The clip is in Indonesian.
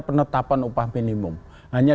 penetapan upah minimum hanya